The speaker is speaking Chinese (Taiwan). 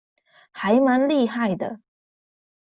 還蠻厲害的